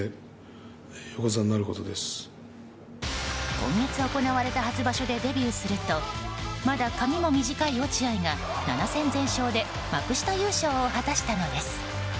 今月行われた初場所でデビューするとまだ髪も短い落合が７戦全勝で幕下優勝を果たしたのです。